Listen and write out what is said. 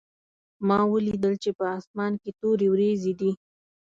ما ولیدل چې په اسمان کې تورې وریځې دي